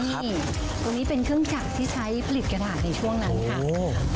นี่ตรงนี้เป็นเครื่องจักรที่ใช้ผลิตกระดาษในช่วงนั้นค่ะ